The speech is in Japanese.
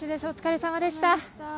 お疲れさまでした。